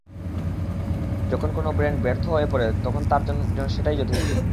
যখন কোনো ব্র্যান্ড ব্যর্থ হয়ে পড়ে, তখন তার জন্য সেটাই যথেষ্ট।